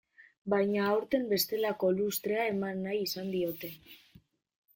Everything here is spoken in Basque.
Baina aurten bestelako lustrea eman nahi izan diote.